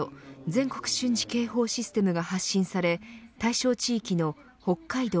全国瞬時警報システムが発信され対象地域の、北海道